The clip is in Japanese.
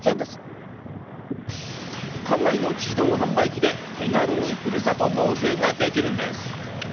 館内の自動販売機で手軽にふるさと納税ができるんです。